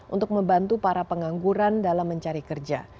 untuk membantu para pengangguran dalam mencari kerja